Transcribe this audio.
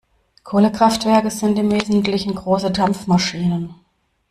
Kohlekraftwerke sind im Wesentlichen große Dampfmaschinen.